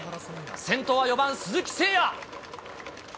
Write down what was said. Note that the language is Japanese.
先頭は４番鈴木誠也。